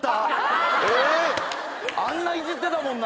あんないじってたもんな。